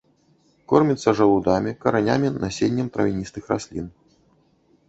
Корміцца жалудамі, каранямі, насеннем травяністых раслін.